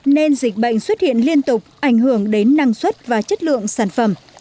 nên dịch bệnh xuất hiện liên tục ảnh hưởng đến năng suất và chất lượng sản phẩm